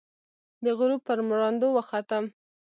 د غروب پر مراندو، وختم